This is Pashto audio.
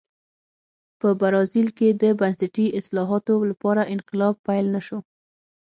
په برازیل کې د بنسټي اصلاحاتو لپاره انقلاب پیل نه شو.